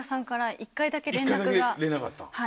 １回だけ連絡があった？